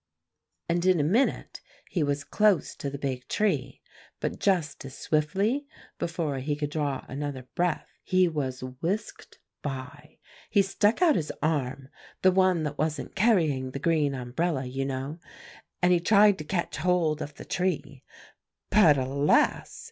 "And in a minute he was close to the big tree; but just as swiftly, before he could draw another breath, he was whisked by. He stuck out his arm, the one that wasn't carrying the green umbrella, you know, and he tried to catch hold of the tree; but alas!